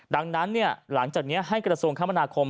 ดังนั้นหลังจากนี้ให้กระทรวงคมนาคม